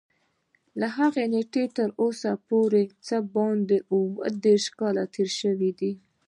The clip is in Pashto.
له هغې نېټې تر اوسه پورې څه باندې اووه دېرش کاله تېر شوي دي.